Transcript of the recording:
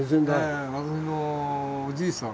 私のおじいさん。